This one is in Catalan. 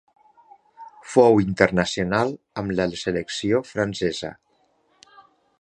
Fou internacional amb la selecció francesa.